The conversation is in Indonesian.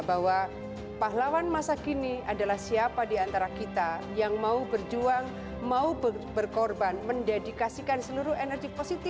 dengan tantangan yang kita hadapi